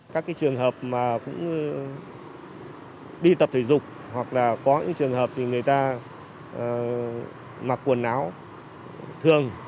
các trường hợp mà cũng đi tập thể dục hoặc là có những trường hợp thì người ta mặc quần áo thường